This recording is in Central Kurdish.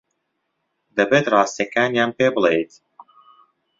دەبێت ڕاستییەکانیان پێ بڵێیت.